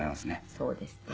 そうですね。